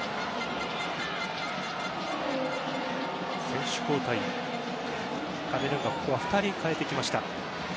選手交代、カメルーンが２人代えてきました。